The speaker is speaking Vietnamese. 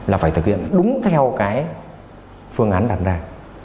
một trăm linh là phải thực hiện đúng theo cái phương án đặt ra